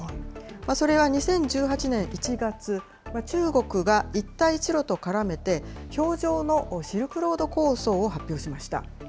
それは２０１８年１月、中国が一帯一路と絡めて、氷上のシルクロード構想を発表しました。